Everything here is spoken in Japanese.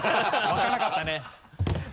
湧かなかったね。